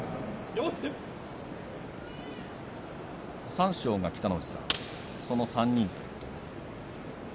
三賞が北の富士さん、その３人。